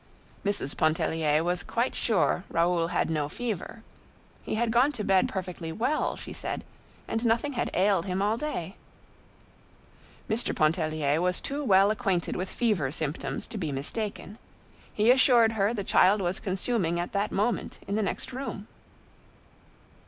Mrs. Pontellier was quite sure Raoul had no fever. He had gone to bed perfectly well, she said, and nothing had ailed him all day. Mr. Pontellier was too well acquainted with fever symptoms to be mistaken. He assured her the child was consuming at that moment in the next room.